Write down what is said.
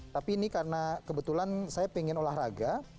tapi ini karena kebetulan saya pengen olahraga